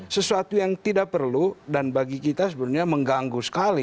sesuatu yang tidak perlu dan bagi kita sebenarnya mengganggu sekali